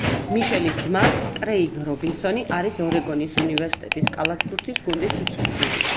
მიშელის ძმა —კრეიგ რობინსონი არის ორეგონის უნივერსიტეტის კალათბურთის გუნდის მწვრთნელი.